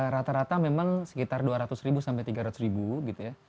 rata rata memang sekitar dua ratus ribu sampai tiga ratus ribu gitu ya